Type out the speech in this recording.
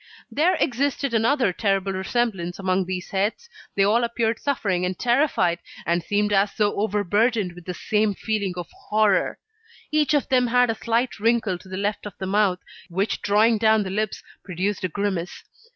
There existed another terrible resemblance among these heads: they all appeared suffering and terrified, and seemed as though overburdened with the same feeling of horror. Each of them had a slight wrinkle to the left of the mouth, which drawing down the lips, produced a grimace.